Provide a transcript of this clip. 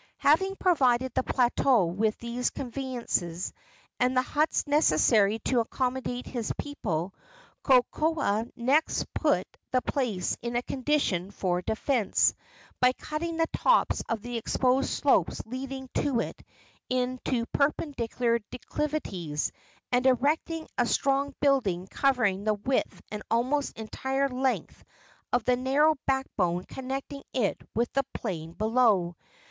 Having provided the plateau with these conveniences and the huts necessary to accommodate his people, Kokoa next put the place in a condition for defence by cutting the tops of the exposed slopes leading to it into perpendicular declivities, and erecting a strong building covering the width and almost entire length of the narrow back bone connecting it with the plain below.